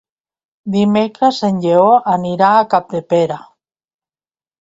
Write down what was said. Dimecres en Lleó anirà a Capdepera.